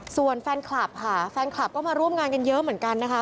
ส่วนแฟนคลับค่ะแฟนคลับก็มาร่วมงานกันเยอะเหมือนกันนะคะ